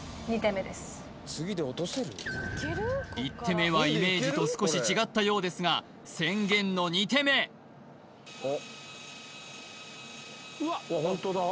目はイメージと少し違ったようですが宣言の二手目ああ